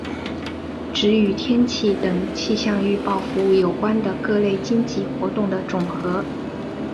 指与天气等气象预报服务有关的各类经济活动的总和。